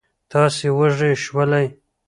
تاسې وږي شولئ.